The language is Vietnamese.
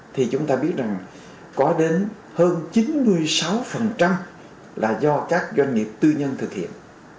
thì chúng ta biết rằng có đến hơn chín mươi sáu là do các doanh nghiệp tư nhân thực hiện